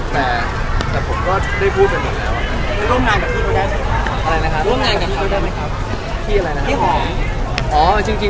แต่ผมก็ได้พูดเป็นหมดแล้ว